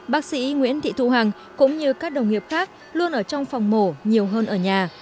bác sĩ nguyễn thị thu hằng cũng như các đồng nghiệp khác luôn ở trong phòng mổ nhiều hơn ở nhà